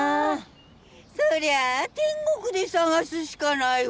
そりゃあ天国で探すしかないわ。